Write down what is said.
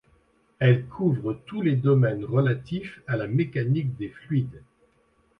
Elle couvre tous les domaines relatifs à la mécanique des fluides.